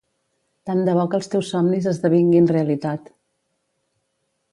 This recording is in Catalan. Tant de bo que els teus somnis esdevinguin realitat!